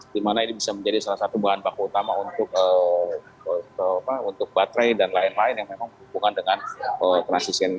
di mana ini bisa menjadi salah satu bahan baku utama untuk baterai dan lain lain yang memang berhubungan dengan transisi